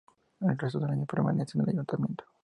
El resto del año permanece en el Ayuntamiento.